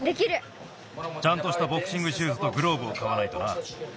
ちゃんとしたボクシングシューズとグローブをかわないとな。